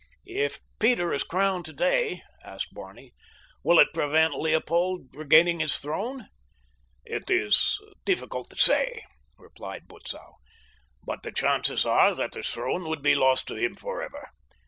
"If Peter is crowned today," asked Barney, "will it prevent Leopold regaining his throne?" "It is difficult to say," replied Butzow; "but the chances are that the throne would be lost to him forever.